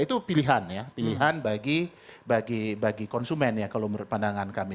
itu pilihan ya pilihan bagi konsumen ya kalau menurut pandangan kami